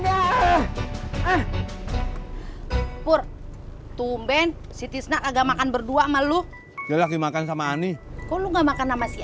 hai pur tumben sitisnak agak makan berdua malu lagi makan sama ani kalau nggak makan sama si